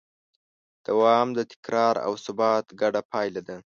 دوام د تکرار او ثبات ګډه پایله ده.